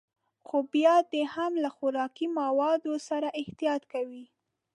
خو بيا دې هم له خوراکي موادو سره احتياط کوي.